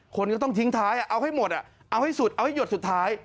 คนก็ต้องทิ้งท้ายเอาให้หมดเอาให้สุดเอาให้หยดสุดท้าย